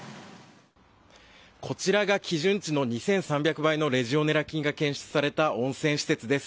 こちらが基準値の２３００倍のレジオネラ菌が検出された温泉施設です。